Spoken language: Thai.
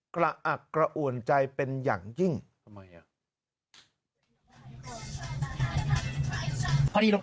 กระอักกระอ่วนใจเป็นอย่างยิ่ง